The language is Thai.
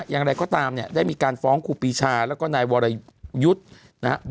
อย่างไรก็ตามเนี่ยได้มีการฟ้องครูปีชาแล้วก็นายวรยุทธ์นะครับ